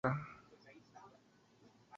De Lourdes, Ntra.